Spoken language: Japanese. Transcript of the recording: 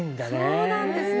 そうなんですね